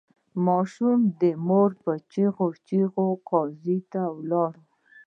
د ماشوم مور په چیغو چیغو قاضي ته ولاړه.